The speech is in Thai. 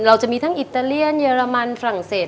จะมีทั้งอิตาเลียนเยอรมันฝรั่งเศส